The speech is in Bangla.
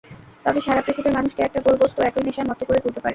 তবে সারা পৃথিবীর মানুষকে একটা গোল বস্তু একই নেশায় মত্ত করে তুলতে পারে।